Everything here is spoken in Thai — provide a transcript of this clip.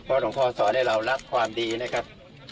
หลวงพ่อสอนให้เรารับความดีนะครับ